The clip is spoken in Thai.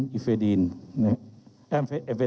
เรามีการปิดบันทึกจับกลุ่มเขาหรือหลังเกิดเหตุแล้วเนี่ย